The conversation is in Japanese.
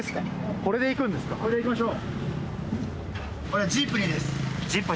これで行きましょう。